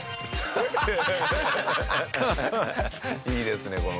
いいですね